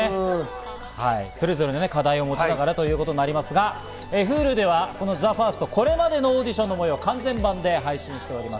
それぞれ課題を持ちながらということになりますが、ＨｕｌｕではＴＨＥＦＩＲＳＴ、これまでのオーディションの模様を完全版で配信しております。